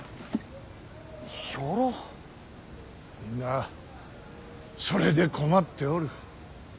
みんなそれで困っておる。